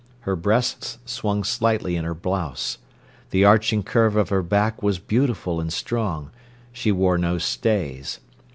Her breasts swung slightly in her blouse. The arching curve of her back was beautiful and strong; she wore no stays.